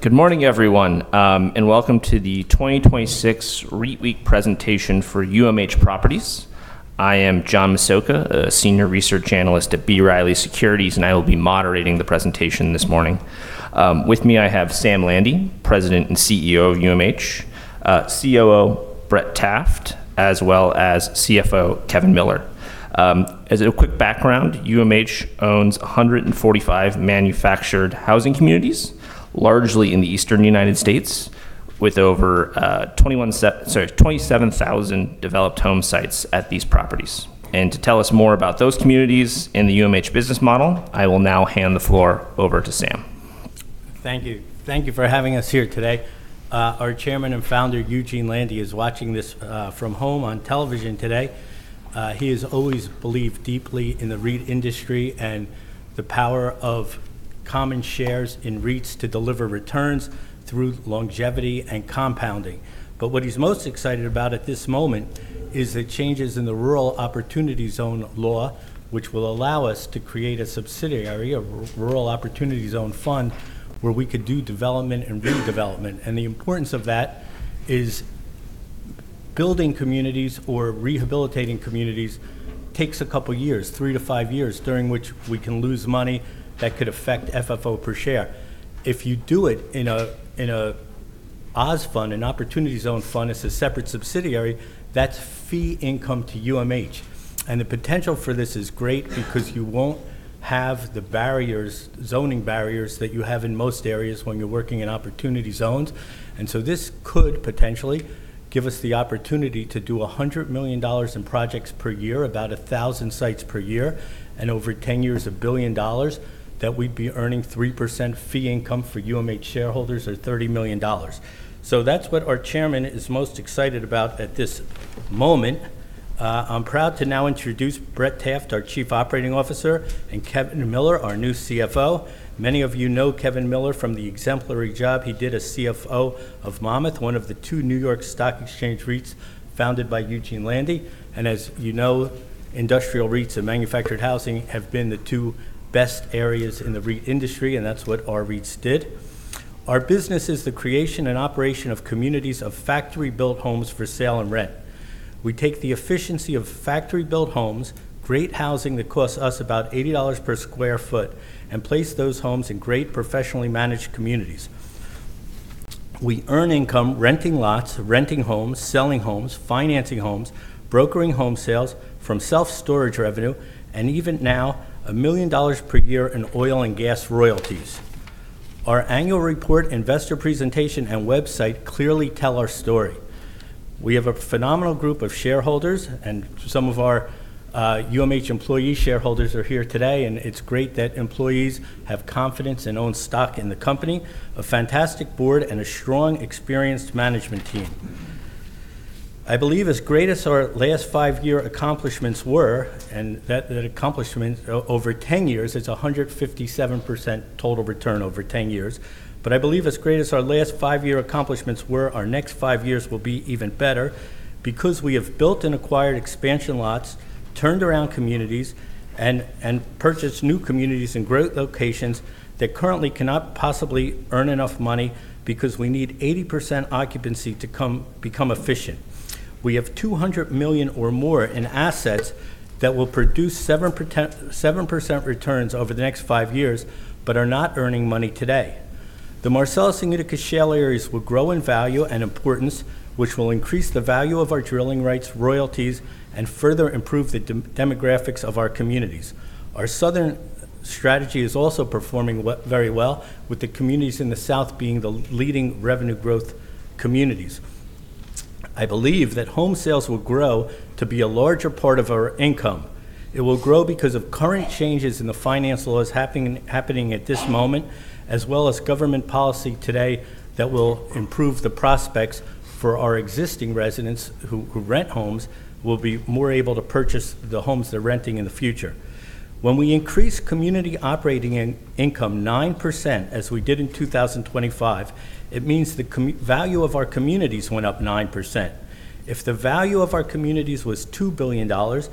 Good morning, everyone, welcome to the 2026 REITweek Presentation for UMH Properties. I am John Massocca, a senior research analyst at B. Riley Securities, and I will be moderating the presentation this morning. With me, I have Sam Landy, President and CEO of UMH, COO Brett Taft, as well as CFO Kevin Miller. As a quick background, UMH owns 145 manufactured housing communities, largely in the Eastern U.S., with over 27,000 developed home sites at these properties. To tell us more about those communities and the UMH business model, I will now hand the floor over to Sam. Thank you. Thank you for having us here today. Our chairman and founder, Eugene Landy, is watching this from home on television today. He has always believed deeply in the REIT industry and the power of common shares in REITs to deliver returns through longevity and compounding. What he's most excited about at this moment is the changes in the Rural Opportunity Zone law, which will allow us to create a subsidiary, a Rural Opportunity Zone fund, where we could do development and redevelopment. The importance of that is building communities or rehabilitating communities takes a couple of years, 3 to 5 years, during which we can lose money that could affect FFO per share. If you do it in an OZ fund, an opportunity zone fund, as a separate subsidiary, that's fee income to UMH. The potential for this is great because you won't have the zoning barriers that you have in most areas when you're working in opportunity zones. This could potentially give us the opportunity to do $100 million in projects per year, about 1,000 sites per year, and over 10 years, $1 billion, that we'd be earning 3% fee income for UMH shareholders or $30 million. That's what our chairman is most excited about at this moment. I'm proud to now introduce Brett Taft, our Chief Operating Officer, and Kevin Miller, our new CFO. Many of you know Kevin Miller from the exemplary job he did as CFO of Monmouth, one of the two New York Stock Exchange REITs founded by Eugene Landy. As you know, industrial REITs and manufactured housing have been the two best areas in the REIT industry, and that's what our REITs did. Our business is the creation and operation of communities of factory-built homes for sale and rent. We take the efficiency of factory-built homes, great housing that costs us about $80 per square foot, and place those homes in great, professionally managed communities. We earn income renting lots, renting homes, selling homes, financing homes, brokering home sales, from self-storage revenue, and even now, $1 million per year in oil and gas royalties. Our annual report, investor presentation, and website clearly tell our story. We have a phenomenal group of shareholders, and some of our UMH employee shareholders are here today, and it's great that employees have confidence and own stock in the company, a fantastic board, and a strong, experienced management team. I believe as great as our last 5 year accomplishments were, and that accomplishment over 10 years, it's 157% total return over 10 years. I believe as great as our last 5 year accomplishments were, our next 5 years will be even better because we have built and acquired expansion lots, turned around communities, and purchased new communities in growth locations that currently cannot possibly earn enough money because we need 80% occupancy to become efficient. We have $200 million or more in assets that will produce 7% returns over the next 5 years but are not earning money today. The Marcellus and Utica Shale areas will grow in value and importance, which will increase the value of our drilling rights royalties and further improve the demographics of our communities. Our southern strategy is also performing very well, with the communities in the south being the leading revenue growth communities. I believe that home sales will grow to be a larger part of our income. It will grow because of current changes in the finance laws happening at this moment, as well as government policy today that will improve the prospects for our existing residents who rent homes, will be more able to purchase the homes they're renting in the future. When we increase community operating income 9%, as we did in 2025, it means the value of our communities went up 9%. If the value of our communities was $2 billion, 9%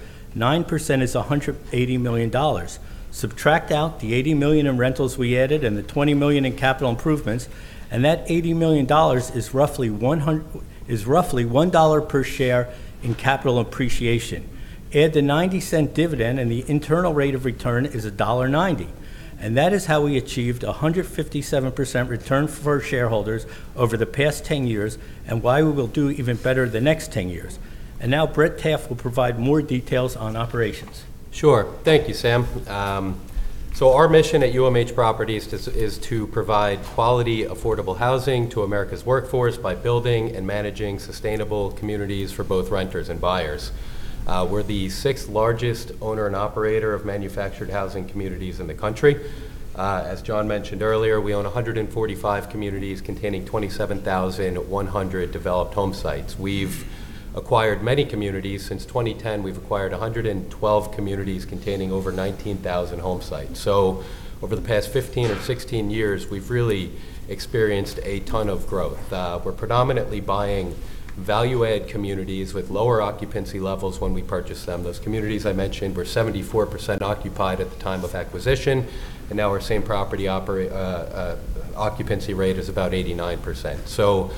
is $180 million. Subtract out the $80 million in rentals we added and the $20 million in capital improvements, and that $80 million is roughly $1 per share in capital appreciation. Add the $0.90 dividend, and the internal rate of return is $1.90. That is how we achieved 157% return for shareholders over the past 10 years, and why we will do even better the next 10 years. Now Brett Taft will provide more details on operations. Sure. Thank you, Sam. Our mission at UMH Properties is to provide quality, affordable housing to America's workforce by building and managing sustainable communities for both renters and buyers. We're the sixth largest owner and operator of manufactured housing communities in the country. As John mentioned earlier, we own 145 communities containing 27,100 developed home sites. We've acquired many communities since 2010. We've acquired 112 communities containing over 19,000 home sites. Over the past 15 or 16 years, we've really experienced a ton of growth. We're predominantly buying value-add communities with lower occupancy levels when we purchase them. Those communities I mentioned were 74% occupied at the time of acquisition, and now our same property occupancy rate is about 89%.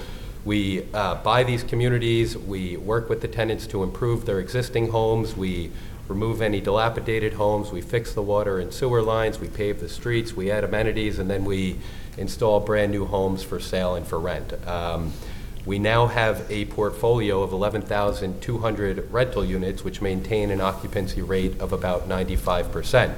We buy these communities, we work with the tenants to improve their existing homes, we remove any dilapidated homes, we fix the water and sewer lines, we pave the streets, we add amenities, and then we install brand new homes for sale and for rent. We now have a portfolio of 11,200 rental units, which maintain an occupancy rate of about 95%.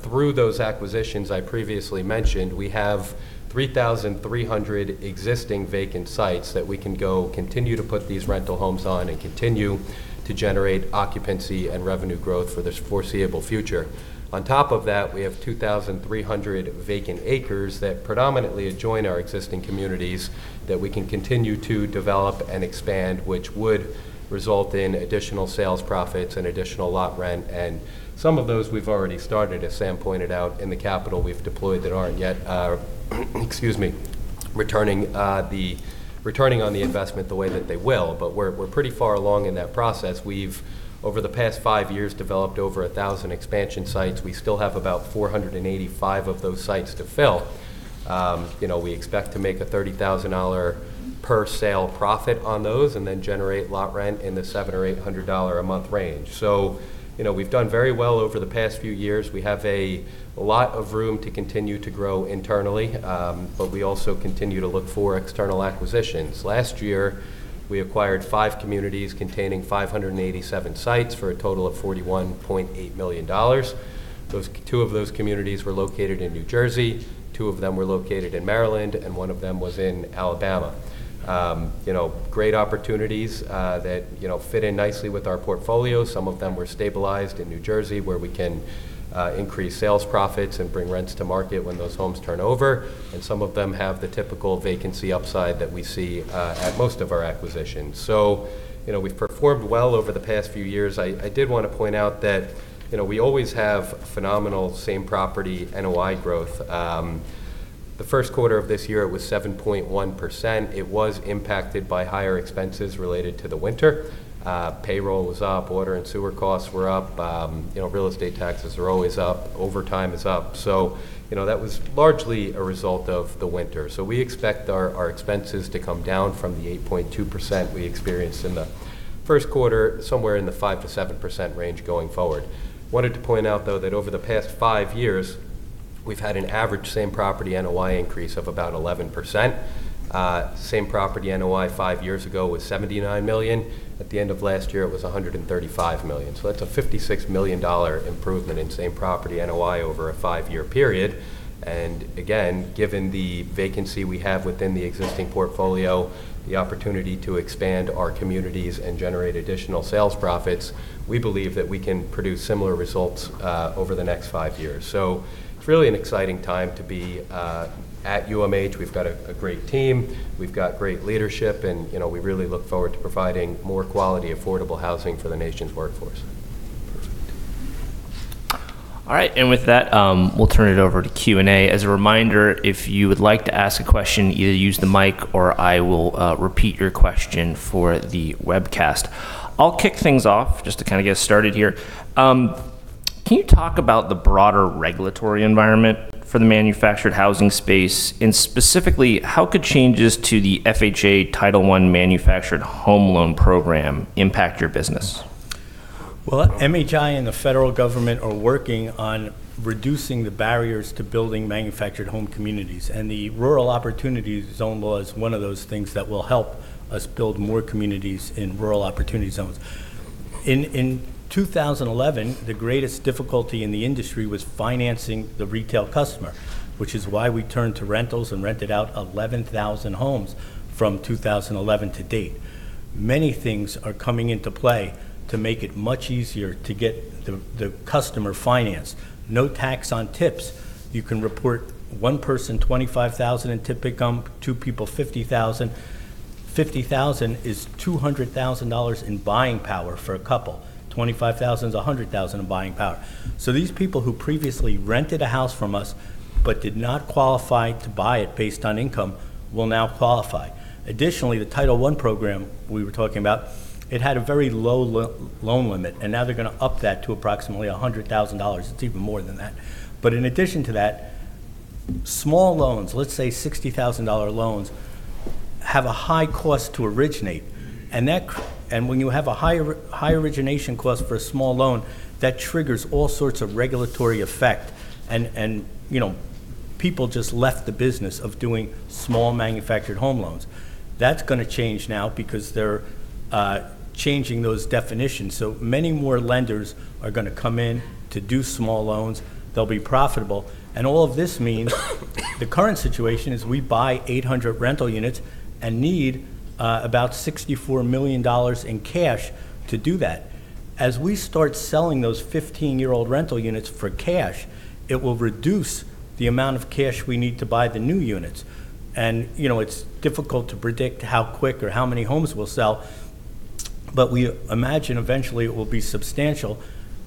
Through those acquisitions I previously mentioned, we have 3,300 existing vacant sites that we can go continue to put these rental homes on and continue to generate occupancy and revenue growth for the foreseeable future. On top of that, we have 2,300 vacant acres that predominantly adjoin our existing communities that we can continue to develop and expand, which would result in additional sales profits and additional lot rent. Some of those we've already started, as Sam pointed out, in the capital we've deployed that aren't yet excuse me, returning on the investment the way that they will. We're pretty far along in that process. We've, over the past 5 years, developed over 1,000 expansion sites. We still have about 485 of those sites to fill. We expect to make a $30,000 per sale profit on those and then generate lot rent in the $700 or $800 a month range. We've done very well over the past few years. We have a lot of room to continue to grow internally, but we also continue to look for external acquisitions. Last year, we acquired five communities containing 587 sites for a total of $41.8 million. Two of those communities were located in New Jersey, two of them were located in Maryland, and one of them was in Alabama. Great opportunities that fit in nicely with our portfolio. Some of them were stabilized in New Jersey where we can increase sales profits and bring rents to market when those homes turn over, and some of them have the typical vacancy upside that we see at most of our acquisitions. We've performed well over the past few years. I did want to point out that we always have phenomenal same property NOI growth. The first quarter of this year, it was 7.1%. It was impacted by higher expenses related to the winter. Payroll was up, water and sewer costs were up. Real estate taxes are always up. Overtime is up. That was largely a result of the winter. We expect our expenses to come down from the 8.2% we experienced in the first quarter, somewhere in the 5%-7% range going forward. Wanted to point out, though, that over the past 5 years, we've had an average same property NOI increase of about 11%. Same property NOI 5 years ago was $79 million. At the end of last year, it was $135 million. That's a $56 million improvement in same property NOI over a 5 year period. Again, given the vacancy we have within the existing portfolio, the opportunity to expand our communities and generate additional sales profits, we believe that we can produce similar results over the next 5 years. It's really an exciting time to be at UMH. We've got a great team, we've got great leadership, and we really look forward to providing more quality, affordable housing for the nation's workforce. All right. With that, we'll turn it over to Q&A. As a reminder, if you would like to ask a question, either use the mic or I will repeat your question for the webcast. I'll kick things off just to kind of get started here. Can you talk about the broader regulatory environment for the manufactured housing space, and specifically, how could changes to the FHA Title I manufactured home loan program impact your business? Well, MHI and the federal government are working on reducing the barriers to building manufactured home communities. The Rural Opportunity Zone law is one of those things that will help us build more communities in rural opportunity zones. In 2011, the greatest difficulty in the industry was financing the retail customer, which is why we turned to rentals and rented out 11,000 homes from 2011 to date. Many things are coming into play to make it much easier to get the customer finance. No tax on tips. You can report one person, 25,000 in tip income, two people, 50,000. 50,000 is $200,000 in buying power for a couple. $25,000 is $100,000 in buying power. These people who previously rented a house from us but did not qualify to buy it based on income, will now qualify. Additionally, the Title I program we were talking about, it had a very low loan limit. Now they're going to up that to approximately $100,000. It's even more than that. In addition to that, small loans, let's say $60,000 loans, have a high cost to originate. When you have a high origination cost for a small loan, that triggers all sorts of regulatory effect. People just left the business of doing small manufactured home loans. That's going to change now because they're changing those definitions. Many more lenders are going to come in to do small loans. They'll be profitable. All of this means the current situation is we buy 800 rental units and need about $64 million in cash to do that. As we start selling those 15-year-old rental units for cash, it will reduce the amount of cash we need to buy the new units. It's difficult to predict how quick or how many homes we'll sell, but we imagine eventually it will be substantial.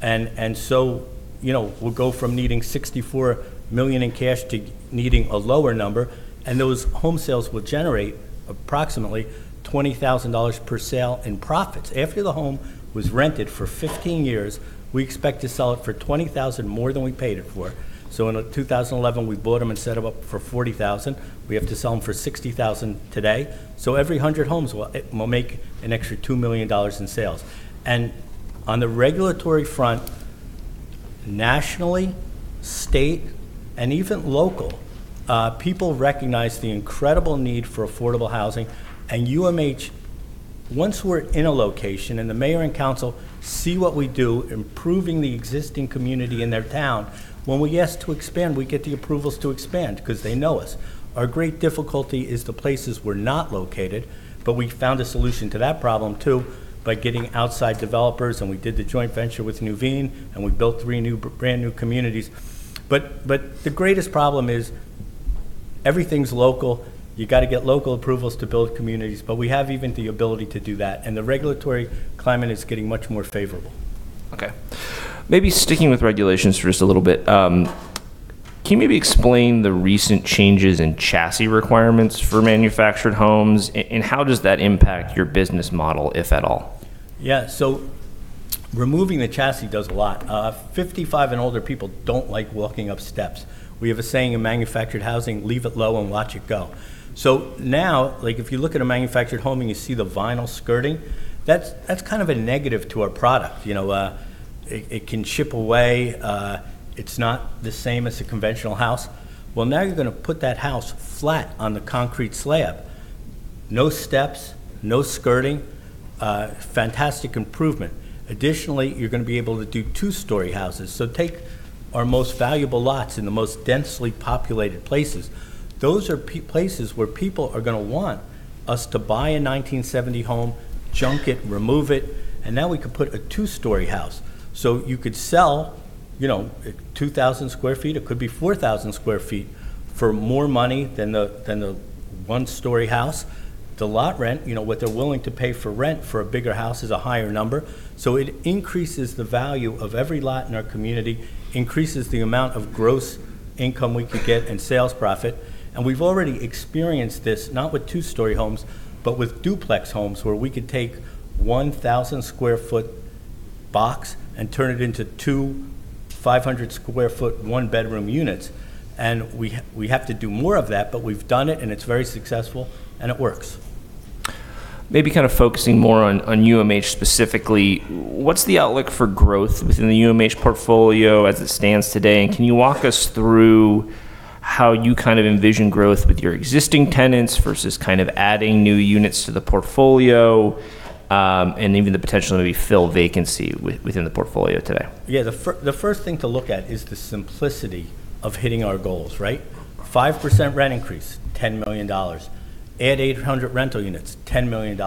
We'll go from needing $64 million in cash to needing a lower number, and those home sales will generate approximately $20,000 per sale in profits. After the home was rented for 15 years, we expect to sell it for $20,000 more than we paid it for. In 2011, we bought them and set them up for $40,000. We have to sell them for $60,000 today. Every 100 homes will make an extra $2 million in sales. On the regulatory front, nationally, state, and even local, people recognize the incredible need for affordable housing. UMH, once we're in a location and the mayor and council see what we do, improving the existing community in their town, when we ask to expand, we get the approvals to expand because they know us. Our great difficulty is the places we're not located, but we found a solution to that problem, too, by getting outside developers, and we did the joint venture with Nuveen, and we built three brand-new communities. The greatest problem is everything's local. You got to get local approvals to build communities. We have even the ability to do that, and the regulatory climate is getting much more favorable. Okay. Maybe sticking with regulations for just a little bit. Can you maybe explain the recent changes in chassis requirements for manufactured homes, and how does that impact your business model, if at all? Yeah. Removing the chassis does a lot. 55 and older people don't like walking up steps. We have a saying in manufactured housing, "Leave it low and watch it go." Now, if you look at a manufactured home and you see the vinyl skirting, that's kind of a negative to our product. It can chip away. It's not the same as a conventional house. Now you're going to put that house flat on the concrete slab. No steps, no skirting, fantastic improvement. Additionally, you're going to be able to do two-story houses. Take our most valuable lots in the most densely populated places. Those are places where people are going to want us to buy a 1970 home, junk it, remove it, and now we can put a two-story house. You could sell 2,000 sq ft, it could be 4,000 sq ft, for more money than the one-story house. The lot rent, what they're willing to pay for rent for a bigger house is a higher number. It increases the value of every lot in our community, increases the amount of gross income we could get in sales profit. We've already experienced this, not with two-story homes, but with duplex homes where we could take 1,000 sq ft box and turn it into two 500 sq ft, one bedroom units. We have to do more of that, but we've done it and it's very successful and it works. Maybe kind of focusing more on UMH specifically, what's the outlook for growth within the UMH portfolio as it stands today? Can you walk us through how you kind of envision growth with your existing tenants versus kind of adding new units to the portfolio, and even the potential to maybe fill vacancy within the portfolio today? The first thing to look at is the simplicity of hitting our goals, right? 5% rent increase, $10 million. Add 800 rental units, $10 million.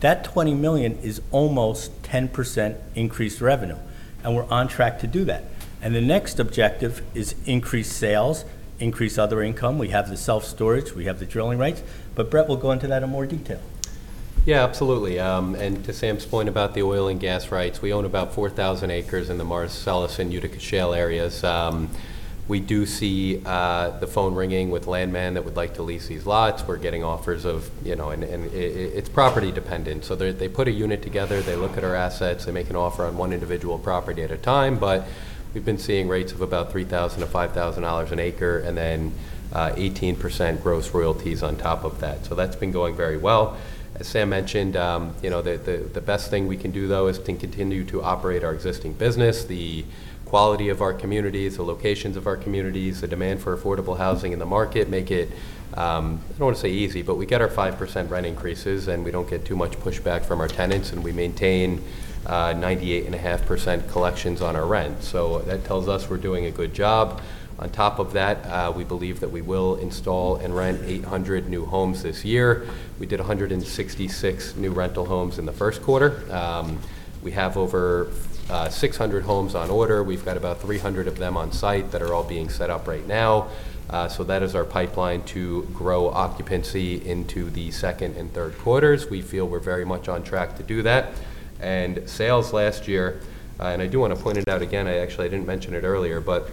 That $20 million is almost 10% increased revenue, and we're on track to do that. The next objective is increase sales, increase other income. We have the self-storage, we have the drilling rights, but Brett will go into that in more detail. Yeah, absolutely. To Sam's point about the oil and gas rights, we own about 4,000 acres in the Marcellus and Utica Shale areas. We do see the phone ringing with landmen that would like to lease these lots. It's property dependent. They put a unit together, they look at our assets, they make an offer on one individual property at a time. We've been seeing rates of about $3,000-$5,000 an acre, and then 18% gross royalties on top of that. That's been going very well. As Sam mentioned, the best thing we can do, though, is to continue to operate our existing business. The quality of our communities, the locations of our communities, the demand for affordable housing in the market make it, I don't want to say easy, but we get our 5% rent increases, and we don't get too much pushback from our tenants, and we maintain 98.5% collections on our rent. That tells us we're doing a good job. On top of that, we believe that we will install and rent 800 new homes this year. We did 166 new rental homes in the first quarter. We have over 600 homes on order. We've got about 300 of them on site that are all being set up right now. That is our pipeline to grow occupancy into the second and third quarters. We feel we're very much on track to do that. Sales last year, and I do want to point it out again, I actually didn't mention it earlier, but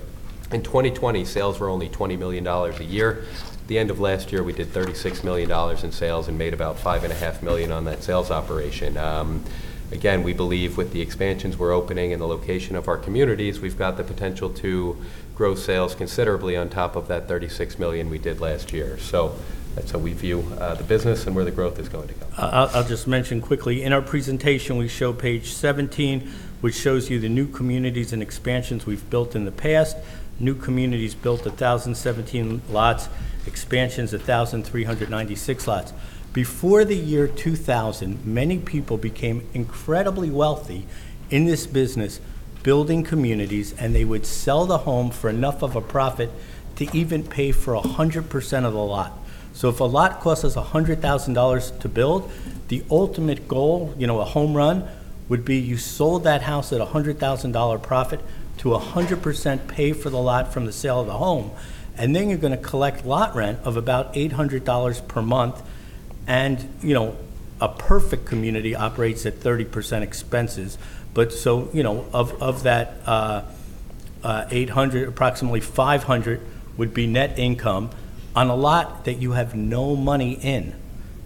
In 2020, sales were only $20 million a year. At the end of last year, we did $36 million in sales and made about $5.5 million on that sales operation. Again, we believe with the expansions we're opening and the location of our communities, we've got the potential to grow sales considerably on top of that $36 million we did last year. That's how we view the business and where the growth is going to go. I'll just mention quickly, in our presentation, we show page 17, which shows you the new communities and expansions we've built in the past. New communities built, 1,017 lots. Expansions, 1,396 lots. Before the year 2000, many people became incredibly wealthy in this business building communities, and they would sell the home for enough of a profit to even pay for 100% of the lot. If a lot costs us $100,000 to build, the ultimate goal, a home run, would be you sold that house at $100,000 profit to 100% pay for the lot from the sale of the home. Then you're going to collect lot rent of about $800 per month. A perfect community operates at 30% expenses. Of that $800, approximately $500 would be net income on a lot that you have no money in.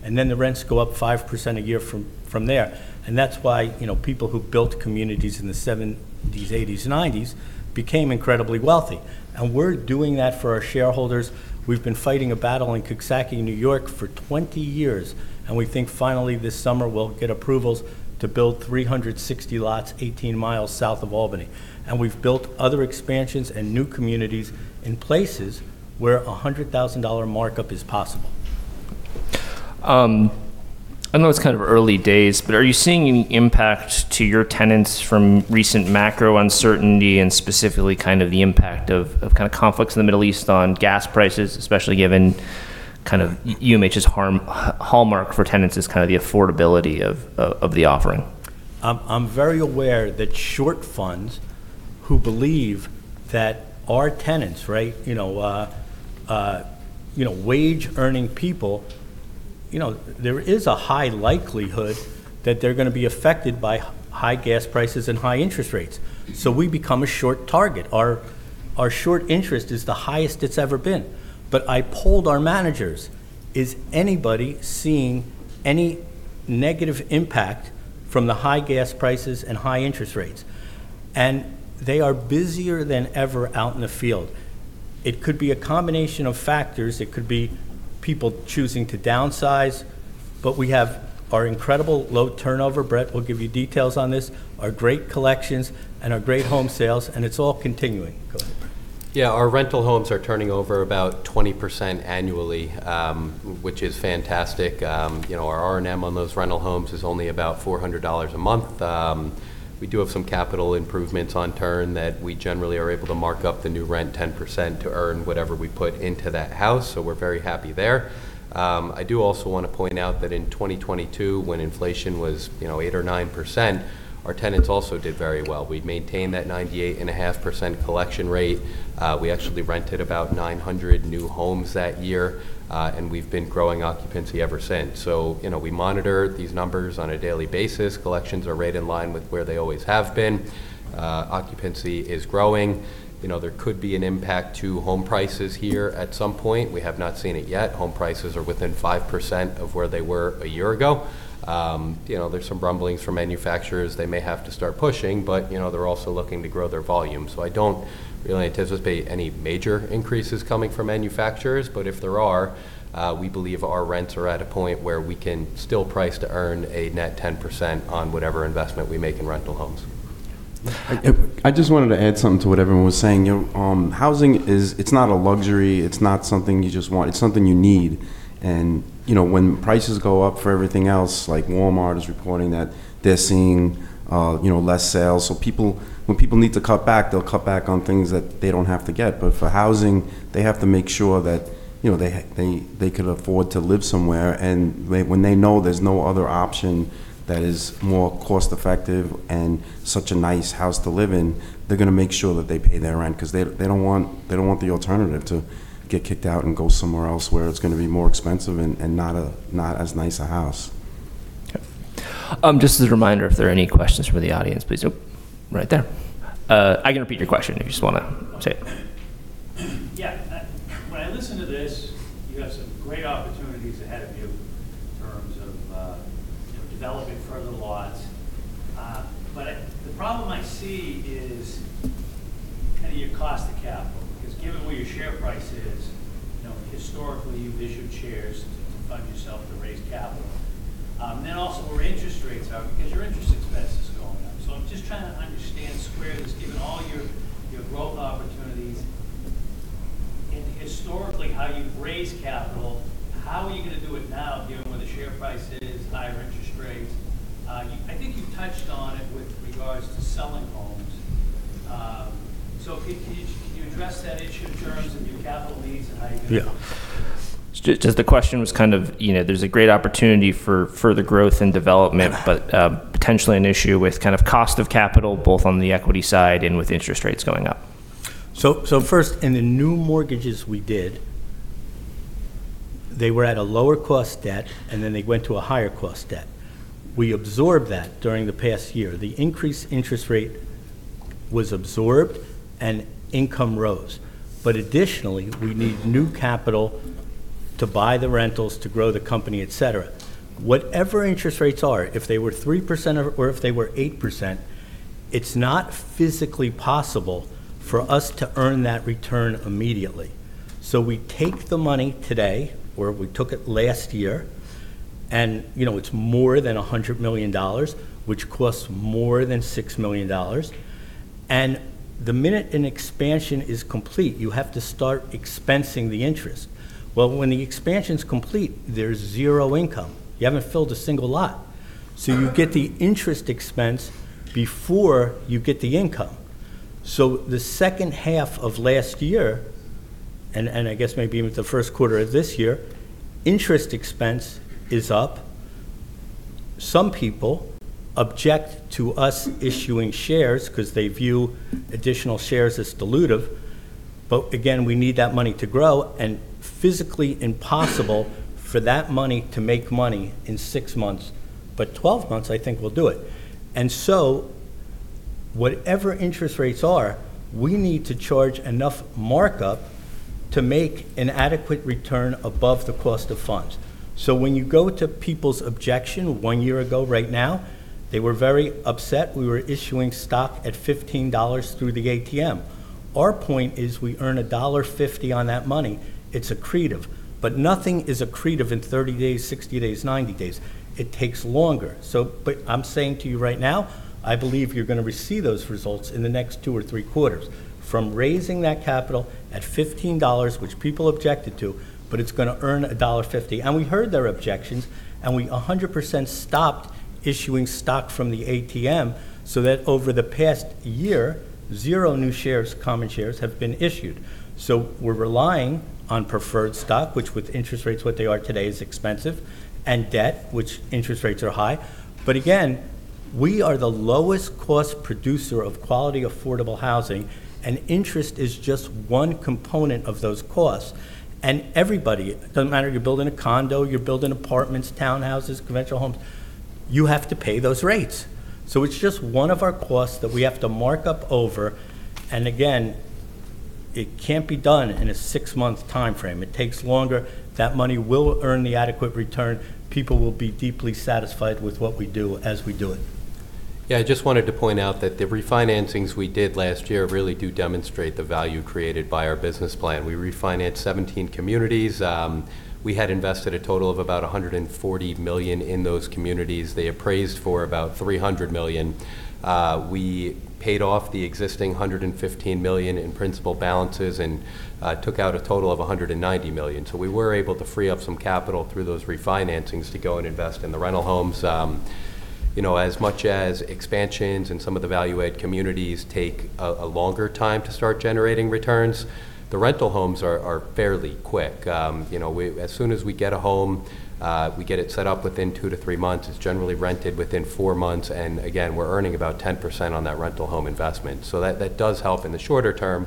The rents go up 5% a year from there. That's why people who built communities in the 1970s, 1980s, and 1990s became incredibly wealthy. We're doing that for our shareholders. We've been fighting a battle in Coxsackie, New York for 20 years, and we think finally this summer we'll get approvals to build 360 lots 18 miles south of Albany. We've built other expansions and new communities in places where a $100,000 markup is possible. I know it's kind of early days, are you seeing any impact to your tenants from recent macro uncertainty and specifically the impact of conflicts in the Middle East on gas prices, especially given UMH's hallmark for tenants is kind of the affordability of the offering? I'm very aware that short funds who believe that our tenants, wage-earning people, there is a high likelihood that they're going to be affected by high gas prices and high interest rates. We become a short target. Our short interest is the highest it's ever been. I polled our managers. Is anybody seeing any negative impact from the high gas prices and high interest rates? They are busier than ever out in the field. It could be a combination of factors. It could be people choosing to downsize. We have our incredible low turnover, Brett will give you details on this, our great collections, and our great home sales, and it's all continuing. Go ahead, Brett. Yeah. Our rental homes are turning over about 20% annually, which is fantastic. Our R&M on those rental homes is only about $400 a month. We do have some capital improvements on turn that we generally are able to mark up the new rent 10% to earn whatever we put into that house. We're very happy there. I do also want to point out that in 2022, when inflation was 8% or 9%, our tenants also did very well. We maintained that 98.5% collection rate. We actually rented about 900 new homes that year. We've been growing occupancy ever since. We monitor these numbers on a daily basis. Collections are right in line with where they always have been. Occupancy is growing. There could be an impact to home prices here at some point. We have not seen it yet. Home prices are within 5% of where they were a year ago. There's some rumblings from manufacturers they may have to start pushing, but they're also looking to grow their volume. I don't really anticipate any major increases coming from manufacturers, but if there are, we believe our rents are at a point where we can still price to earn a net 10% on whatever investment we make in rental homes. I just wanted to add something to what everyone was saying. Housing, it's not a luxury. It's not something you just want. It's something you need. When prices go up for everything else, like Walmart is reporting that they're seeing less sales. When people need to cut back, they'll cut back on things that they don't have to get. For housing, they have to make sure that they could afford to live somewhere. When they know there's no other option that is more cost-effective and such a nice house to live in, they're going to make sure that they pay their rent because they don't want the alternative to get kicked out and go somewhere else where it's going to be more expensive and not as nice a house. Okay. Just as a reminder, if there are any questions from the audience, please. Oh, right there. I can repeat your question if you just want to say it. Yeah. When I listen to this, you have some great opportunities ahead of you in terms of developing further lots. The problem I see is kind of your cost of capital, because given where your share price is, historically, you've issued shares to fund yourself to raise capital. Also where interest rates are, because your interest expense is going up. I'm just trying to understand where this, given all your growth opportunities and historically how you've raised capital, how are you going to do it now given where the share price is, higher interest rates? I think you touched on it with regards to selling homes. Can you address that issue in terms of your capital needs? Yeah. Just the question was kind of, there's a great opportunity for further growth and development, but potentially an issue with kind of cost of capital, both on the equity side and with interest rates going up? First, in the new mortgages we did. They were at a lower cost debt, and then they went to a higher cost debt. We absorbed that during the past year. The increased interest rate was absorbed and income rose. Additionally, we need new capital to buy the rentals, to grow the company, et cetera. Whatever interest rates are, if they were 3% or if they were 8%, it's not physically possible for us to earn that return immediately. We take the money today, or we took it last year, and it's more than $100 million, which costs more than $6 million. The minute an expansion is complete, you have to start expensing the interest. Well, when the expansion's complete, there's zero income. You haven't filled a single lot. You get the interest expense before you get the income. The second half of last year, and I guess maybe even the first quarter of this year, interest expense is up. Some people object to us issuing shares because they view additional shares as dilutive. Again, we need that money to grow, and physically impossible for that money to make money in 6 months. 12 months, I think will do it. Whatever interest rates are, we need to charge enough markup to make an adequate return above the cost of funds. When you go to people's objection, 1 year ago right now, they were very upset we were issuing stock at $15 through the ATM. Our point is we earn a $1.50 on that money. It's accretive, but nothing is accretive in 30 days, 60 days, 90 days. It takes longer. I'm saying to you right now, I believe you're going to receive those results in the next two or three quarters from raising that capital at $15, which people objected to, but it's going to earn a $1.50. We heard their objections, and we 100% stopped issuing stock from the ATM so that over the past year, zero new common shares have been issued. We're relying on preferred stock, which with interest rates what they are today is expensive, and debt, which interest rates are high. Again, we are the lowest cost producer of quality, affordable housing, and interest is just one component of those costs. Everybody doesn't matter if you're building a condo, you're building apartments, townhouses, conventional homes, you have to pay those rates. It's just one of our costs that we have to mark up over. Again, it can't be done in a 6 month timeframe. It takes longer. That money will earn the adequate return. People will be deeply satisfied with what we do as we do it. Yeah, I just wanted to point out that the refinancings we did last year really do demonstrate the value created by our business plan. We refinanced 17 communities. We had invested a total of about $140 million in those communities. They appraised for about $300 million. We paid off the existing $115 million in principal balances and took out a total of $190 million. We were able to free up some capital through those refinancings to go and invest in the rental homes. As much as expansions in some of the value-add communities take a longer time to start generating returns, the rental homes are fairly quick. As soon as we get a home, we get it set up within 2 to 3 months. It's generally rented within 4 months. Again, we're earning about 10% on that rental home investment. That does help in the shorter term.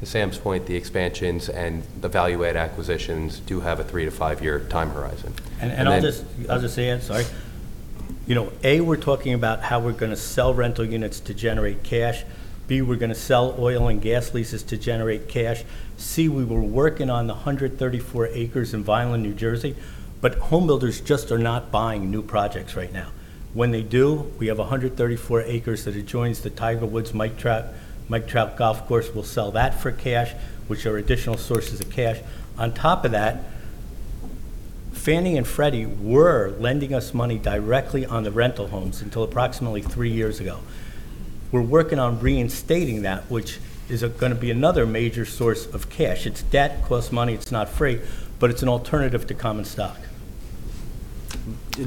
To Sam's point, the expansions and the value-add acquisitions do have a 3 to 5 year time horizon. I'll just add, sorry. We're talking about how we're going to sell rental units to generate cash. B, we're going to sell oil and gas leases to generate cash. C, we were working on the 134 acres in Vineland, New Jersey, but home builders just are not buying new projects right now. When they do, we have 134 acres that adjoins the Tiger Woods Mike Trout Golf Course. We'll sell that for cash, which are additional sources of cash. On top of that, Fannie and Freddie were lending us money directly on the rental homes until approximately 3 years ago. We're working on reinstating that, which is going to be another major source of cash. It's debt plus money. It's not free, but it's an alternative to common stock.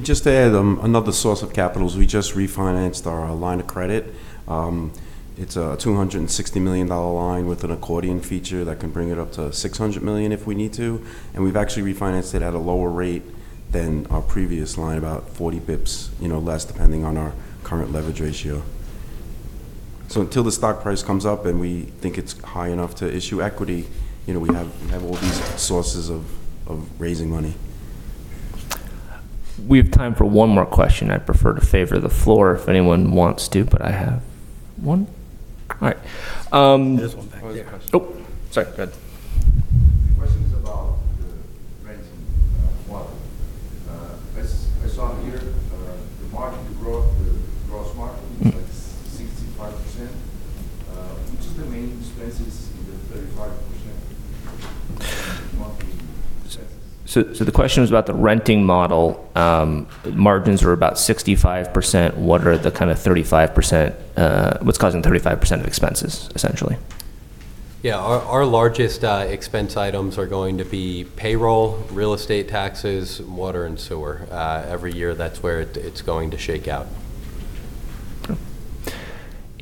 Just to add another source of capitals, we just refinanced our line of credit. It's a $260 million line with an accordion feature that can bring it up to $600 million if we need to. We've actually refinanced it at a lower rate than our previous line, about 40 basis points less, depending on our current leverage ratio. Until the stock price comes up and we think it's high enough to issue equity, we have all these sources of raising money. We have time for one more question. I'd prefer to favor the floor if anyone wants to, but I have one. All right. There's one back there. Oh, sorry. Go ahead. The question is about the renting model. I saw here the margin growth, the gross margin is like 65%. Which are the main expenses in the 35% monthly expenses? The question was about the renting model. Margins were about 65%. What's causing 35% of expenses, essentially? Yeah, our largest expense items are going to be payroll, real estate taxes, water, and sewer. Every year, that's where it's going to shake out.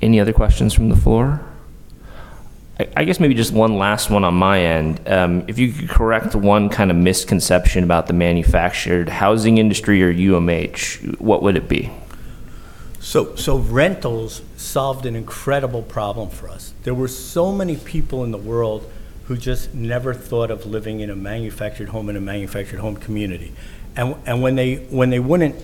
Any other questions from the floor? I guess maybe just one last one on my end. If you could correct one kind of misconception about the manufactured housing industry or UMH, what would it be? Rentals solved an incredible problem for us. There were so many people in the world who just never thought of living in a manufactured home, in a manufactured home community. When they wouldn't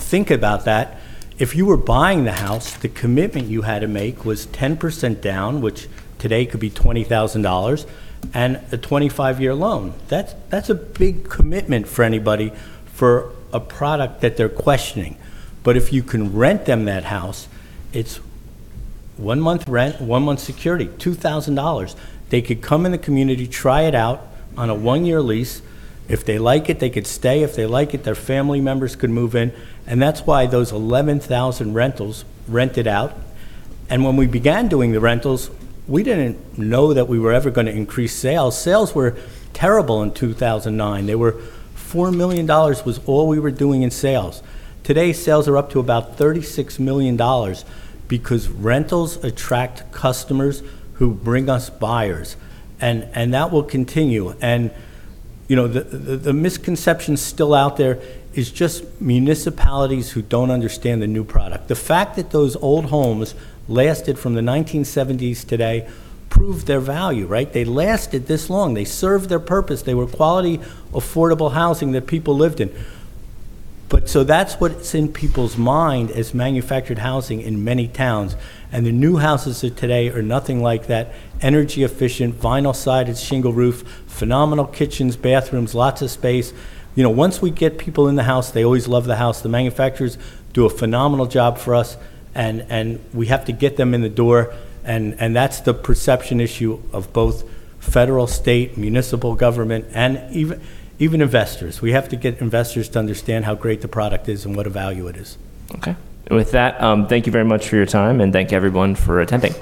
think about that, if you were buying the house, the commitment you had to make was 10% down, which today could be $20,000, and a 25-year loan. That's a big commitment for anybody for a product that they're questioning. If you can rent them that house, it's one month rent, one month security, $2,000. They could come in the community, try it out on a one-year lease. If they like it, they could stay. If they like it, their family members could move in. That's why those 11,000 rentals rented out. When we began doing the rentals, we didn't know that we were ever going to increase sales. Sales were terrible in 2009. $4 million was all we were doing in sales. Today, sales are up to about $36 million because rentals attract customers who bring us buyers, and that will continue. The misconception still out there is just municipalities who don't understand the new product. The fact that those old homes lasted from the 1970s today proved their value, right? They lasted this long. They served their purpose. They were quality, affordable housing that people lived in. That's what's in people's mind as manufactured housing in many towns, and the new houses of today are nothing like that. Energy efficient, vinyl sided, shingle roof, phenomenal kitchens, bathrooms, lots of space. Once we get people in the house, they always love the house. The manufacturers do a phenomenal job for us, and we have to get them in the door, and that's the perception issue of both federal, state, municipal government, and even investors. We have to get investors to understand how great the product is and what a value it is. Okay. With that, thank you very much for your time, and thank you everyone for attending.